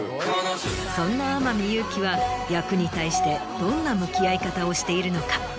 そんな天海祐希は役に対してどんな向き合い方をしているのか？